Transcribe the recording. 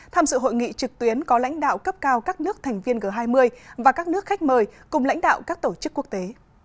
tham dự hội nghị trực tuyến có lãnh đạo cấp cao các nước thành viên g hai mươi và các nước khách mời cùng lãnh đạo các tổ chức quốc tế